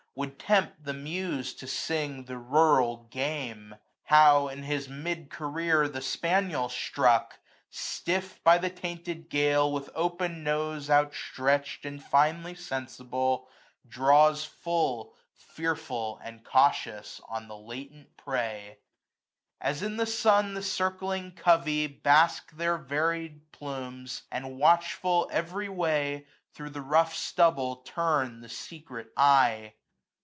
Would tempt the Muse to sing the rural Game : How, in his mid career, the spaniel struck. Stiff, by the tainted gale, with open nose. Outstretched, and finely sensible, draws full, 365 Fearful, and cautious, on the latent prey ; As in the sun the circling covey bask Their varied plumes, and watchful every way^ Thro' the rough stubble turn the secret eye.